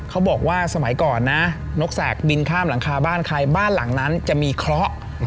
เขาบอกว่าสมัยก่อนนะนกแสกบินข้ามหลังคาบ้านใครบ้านหลังนั้นจะมีเคราะห์